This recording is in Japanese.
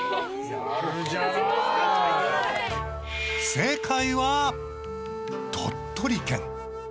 正解は鳥取県。